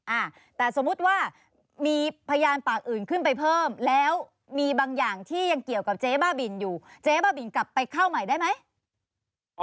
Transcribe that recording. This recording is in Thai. อ่าแต่สมมุติว่ามีพยานปากอื่นขึ้นไปเพิ่มแล้วมีบางอย่างที่ยังเกี่ยวกับเจ๊บ้าบินอยู่เจ๊บ้าบินกลับไปเข้าใหม่ได้ไหม